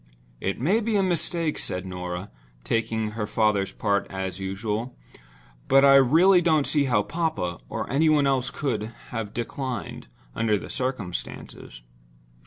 "It may be a mistake," said Norah, taking her father's part, as usual. "But I really don't see how papa, or any one else, could have declined, under the circumstances."